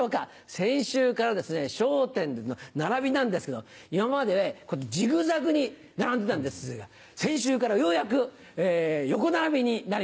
先週から『笑点』の並びなんですけど今までジグザグに並んでたんですが先週からようやく横並びになりまして。